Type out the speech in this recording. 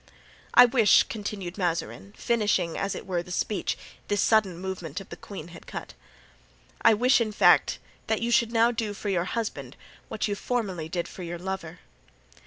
"I wish," continued Mazarin, finishing, as it were, the speech this sudden movement of the queen had cut; "I wish, in fact, that you should now do for your husband what you formerly did for your lover."